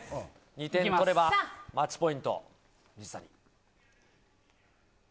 ２点取ればマッチポイント水谷。